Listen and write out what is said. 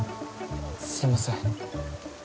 すみません。